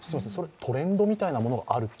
トレンドみたいなものがある？